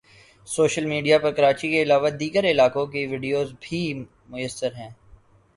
social media پر کراچی کے علاوہ دیگر علاقوں کے وڈیوز بھی میسر ہیں